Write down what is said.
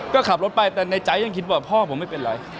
ก็ขับรถไปแต่ในใจยังคิดว่าพ่อผมไม่เป็นไร